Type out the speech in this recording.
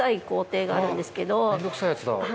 面倒くさいやつだ。